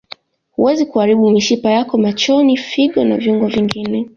Huweza kuharibu mishipa yako macho figo na viungo vingine